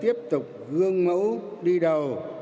cần tiếp tục gương mẫu đi đầu